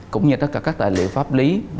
cũng như tất cả các tài liệu pháp lý